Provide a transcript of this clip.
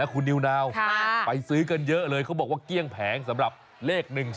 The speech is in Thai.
คุณนิวนาวไปซื้อกันเยอะเลยเขาบอกว่าเกลี้ยงแผงสำหรับเลข๑๒